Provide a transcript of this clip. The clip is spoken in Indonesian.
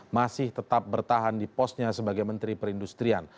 masih tetap bertahan di posnya sebagai menteri perindustrian